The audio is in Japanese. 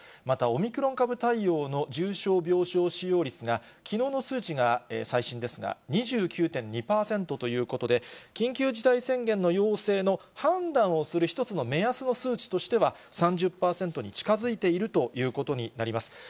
また、オミクロン株対応の重症病床使用率が、きのうの数値が最新ですが、２９．２％ということで、緊急事態宣言の要請の判断をする一つの目安の数値としては、３０％に近づいているということになります。